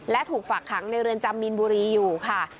และถูกฝากขังในเรือนจำมีนบุรีอยู่ค่ะ